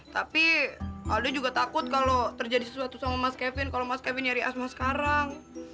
tapi aldo juga takut kalau terjadi sesuatu sama mas kevin kalau mas kevin nyari asma sekarang